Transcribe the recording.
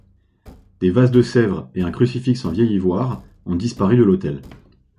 Des vases de Sèvres et un crucifix en vieil ivoire ont disparu de l'autel.